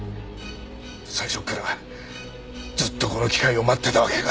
最初からずっとこの機会を待ってたわけか。